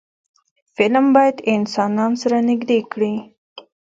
فلم باید انسانان سره نږدې کړي